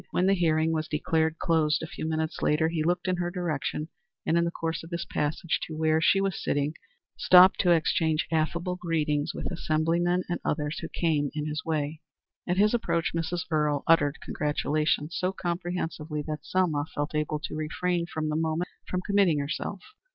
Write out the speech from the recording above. When the hearing was declared closed, a few minutes later, he looked in her direction, and in the course of his passage to where she was sitting stopped to exchange affable greetings with assemblymen and others who came in his way. At his approach Mrs. Earle uttered congratulations so comprehensive that Selma felt able to refrain for the moment from committing herself.